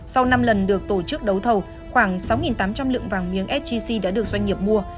sau năm lần được tổ chức đấu thầu khoảng sáu tám trăm linh lượng vàng miếng sgc đã được doanh nghiệp mua